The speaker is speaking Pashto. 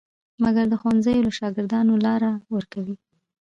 مګر د ښوونځیو له شاګردانو لاره ورکوي.